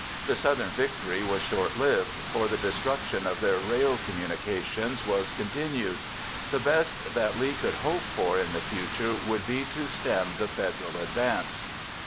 The Southern victory was shortlived, for the destruction of their rail communications was continued. The best that Lee could hope for in the future would be to stem the Federal advance.